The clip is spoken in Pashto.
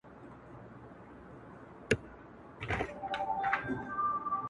• خو يو ځل بيا وسجدې ته ټيټ سو.